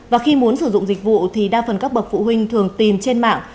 và khi muốn sử dụng dịch vụ thì đa phần các bậc phụ huynh thường tìm trên mạng